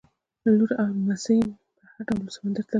لور او نمسۍ مې په هر ډول سمندر ته لاړې.